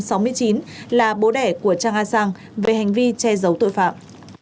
trang a sang là bố đẻ của trang a sang về hành vi che giấu tội phạm